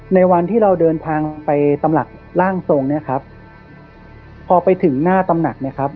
ในวันที่เราเดินทางไปตำหลักร่างทรงเนี่ยครับพอไปถึงหน้าตำหนักเนี่ยครับ